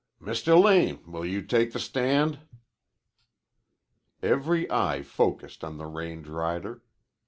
"Mr. Lane, will you take the stand?" Every eye focused on the range rider.